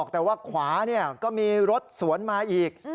แต่ว่าขวาก็มีรถสวนมาอีก